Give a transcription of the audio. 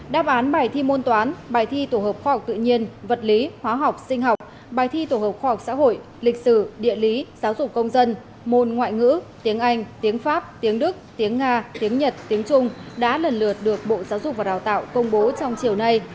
đáp án bài thi môn toán bài thi tổ hợp khoa học tự nhiên vật lý hóa học sinh học bài thi tổ hợp khoa học xã hội lịch sử địa lý giáo dục công dân môn ngoại ngữ tiếng anh tiếng pháp tiếng đức tiếng nga tiếng nhật tiếng trung đã lần lượt được bộ giáo dục và đào tạo công bố trong chiều nay